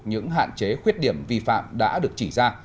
những hạn chế khuyết điểm vi phạm đã được chỉ ra